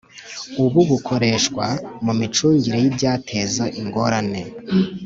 Ubu bukoreshwa mu micungire y ibyateza ingorane